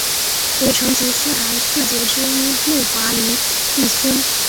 为成吉思汗四杰之一木华黎裔孙。